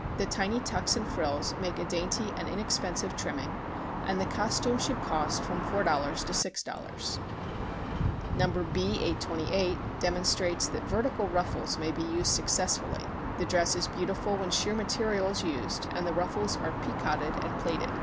The tiny tucks and frills make a dainty and inexpensive trimming, and the costume should cost from $4.00 to $6.00. No. B 828 demonstrates that vertical ruffles may be used successfully. This dress is beautiful when sheer material is used and the ruffles are picoted and plaited.